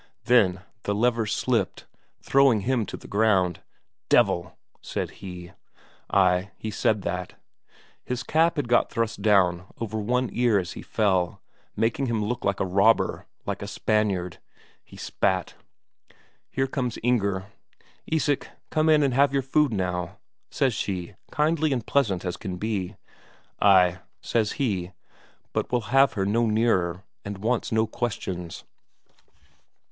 Then the lever slipped, throwing him to the ground. "Devil!" said he. Ay, he said that. His cap had got thrust down over one ear as he fell, making him look like a robber, like a Spaniard. He spat. Here comes Inger. "Isak, come in and have your food now," says she, kindly and pleasant as can be. "Ay," says he, but will have her no nearer, and wants no questions.